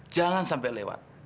jangan sampai lewat